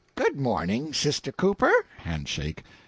"Good mornin', Sister Cooper" hand shake.